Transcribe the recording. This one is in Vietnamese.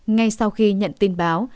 ngay sau khi nhận tin báo